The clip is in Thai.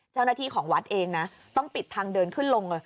เจ้าหน้าที่ของวัดเองนะต้องปิดทางเดินขึ้นลงเลย